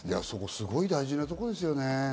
すごい大事なところですよね。